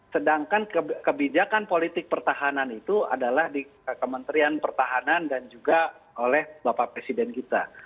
sedangkan kebijakan politik pertahanan itu adalah di kementerian pertahanan dan juga oleh bapak presiden kita